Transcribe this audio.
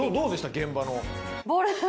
現場の。